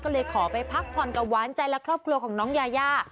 ก็เลยขอไปพักผ่อนกับหวานใจและครอบครัวของน้องยายา